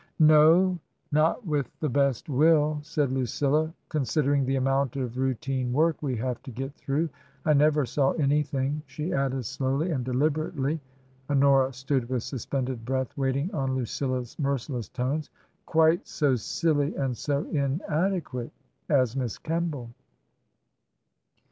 " No — not with the best will," said Lucilla, " con sidering the amount of routine work we have to get through. I never saw anything," she added slowly and deliberately [Honora stood with suspended breath wait ing on Lucilla's merciless tones], " quite so silly and so inadequate as Miss Kemball."